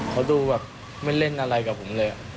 เขาดูแบบไม่เล่นอะไรกับผมเลย